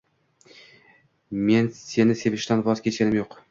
Men seni sevishdan voz kechganim yo’q.